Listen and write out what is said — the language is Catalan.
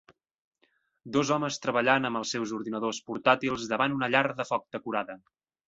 Dos homes treballant amb els seus ordinadors portàtils davant una llar de foc decorada